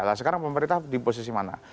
nah sekarang pemerintah di posisi mana